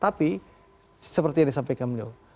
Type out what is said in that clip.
tapi seperti yang disampaikan beliau